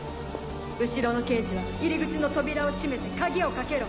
後ろの刑事は入り口の扉を閉めて鍵をかけろ。